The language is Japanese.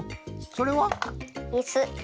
それは？